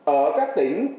ở các tỉnh